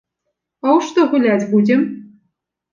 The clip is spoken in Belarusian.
А ў што гуляць будзем?